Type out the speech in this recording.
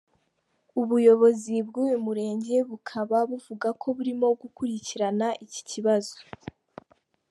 Ubuyobozi bwuyu murenge bukaba buvuga ko burimo gukurikirana iki kibazo.